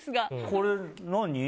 これ何？